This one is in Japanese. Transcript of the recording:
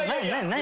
何？